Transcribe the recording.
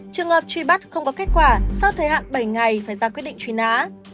trường hợp trùy bắt không có kết quả sau thời hạn bảy ngày phải ra quyết định trùy ná